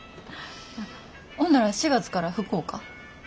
ほんなら４月から福岡？